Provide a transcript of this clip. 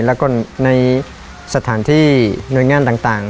แล้วก็ในสถานที่หน่วยงานต่าง